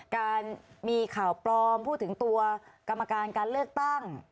การมีข่าวปลอมพูดถึงตัวกรรมการการเลือกตั้ง